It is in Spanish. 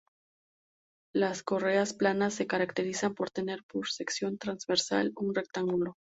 Las correas planas se caracterizan por tener por sección transversal un rectángulo.